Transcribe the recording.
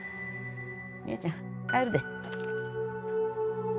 三枝ちゃん帰るで。